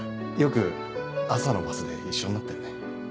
よく朝のバスで一緒になったよね。